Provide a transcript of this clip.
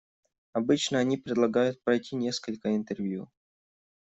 Обычно они предлагают пройти несколько интервью.